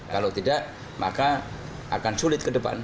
kalau tidak maka akan sulit ke depan